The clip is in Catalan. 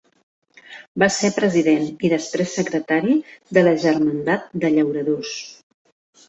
Va ser president i després secretari de la Germandat de Llauradors.